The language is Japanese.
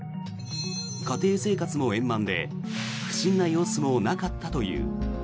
家庭生活も円満で不審な様子もなかったという。